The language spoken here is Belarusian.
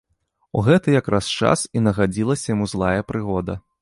У гэты якраз час і нагадзілася яму злая прыгода.